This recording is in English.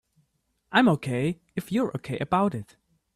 I'm OK if you're OK about it.